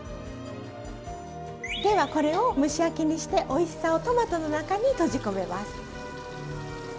ではこれを蒸し焼きにしておいしさをトマトの中に閉じ込めます。